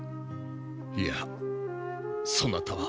いやそなたは。